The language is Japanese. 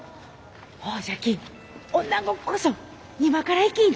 ほんじゃきおなごこそ今から生きんと！